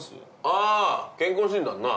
ああ健康診断な。